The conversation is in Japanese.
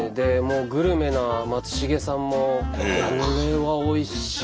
グルメな松重さんも「これはおいしいよ」。